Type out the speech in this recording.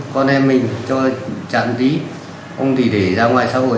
con em mình cho chẳng lý không thì để ra ngoài xã hội